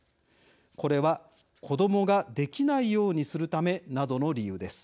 これは子どもができないようにするためなどの理由です。